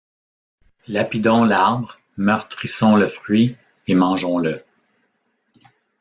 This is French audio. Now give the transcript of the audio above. Lapidons l’arbre, meurtrissons le fruit, et mangeons-le.